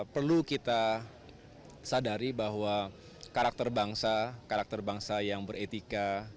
perlu kita sadari bahwa karakter bangsa karakter bangsa yang beretika